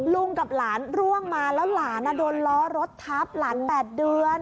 กับหลานร่วงมาแล้วหลานโดนล้อรถทับหลาน๘เดือน